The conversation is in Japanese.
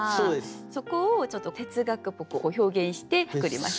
そこをちょっと哲学っぽく表現して作りました。